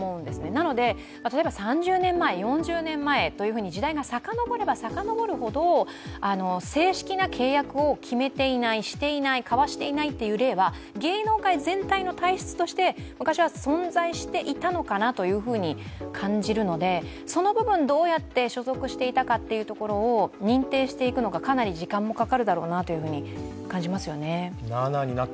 なので、例えば３０年前、４０年前と時代がさかのぼればさかのぼるほど正式な契約を決めていない、していない交わしていないという例は芸能界全体の体質として昔は存在していたのかなというふうに感じるのでその部分、どうやって所属していたかというところを認定していくのかかなり時間もかかるだろうなというふうに感じますよね。